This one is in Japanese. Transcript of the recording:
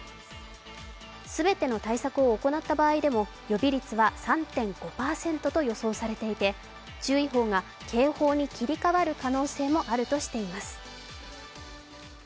全ての対策を行った場合でも予備率は３．５％と予想されていて注意報が警報に切り替わる可能性もあるとしています。